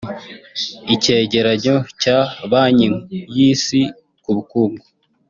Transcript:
Icyegeranyo cya Banki y’Isi ku bukungu